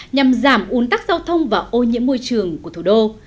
nhằm giảm uốn tắc giao thông và ô nhiễm môi trường của thủ đô